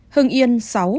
hưng yên sáu